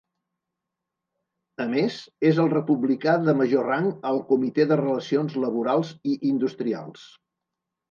A més, és el republicà de major rang al Comitè de Relacions Laborals i Industrials